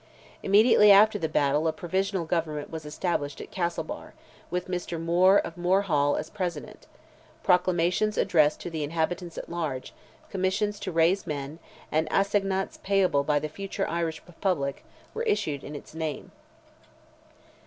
Immediately after the battle a Provisional Government was established at Castlebar, with Mr. Moore of Moore Hall, as President; proclamations addressed to the inhabitants at large, commissions to raise men, and assignats payable by the future Irish Republic, were issued in its name.